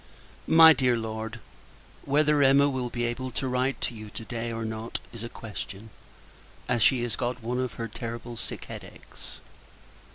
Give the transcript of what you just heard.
MY DEAR LORD, Whether Emma will be able to write to you to day, or not, is a question; as she has got one of her terrible sick head achs.